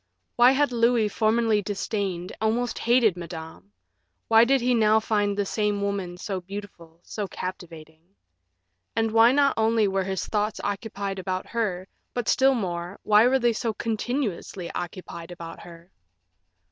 Why had Louis formerly disdained, almost hated, Madame? Why did he now find the same woman so beautiful, so captivating? And why, not only were his thoughts occupied about her, but still more, why were they so continuously occupied about her?